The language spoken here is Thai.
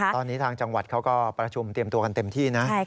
ตอนนี้ทางจังหวัดเขาก็ประชุมเตรียมตัวกันเต็มที่นะ